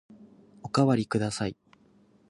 おかわりください。